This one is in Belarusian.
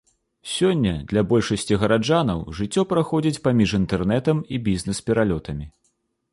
Сёння для большасці гараджанаў жыццё праходзіць паміж інтэрнэтам і бізнес-пералётамі.